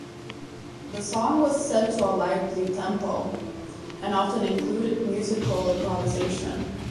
The song was set to a lively tempo, and often included musical improvisation.